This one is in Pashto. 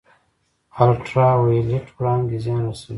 الټرا وایلیټ وړانګې زیان رسوي